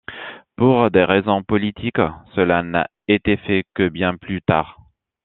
Pour des raisons politiques, cela n'a été fait que bien plus tard.